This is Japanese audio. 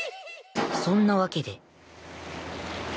そんなわけで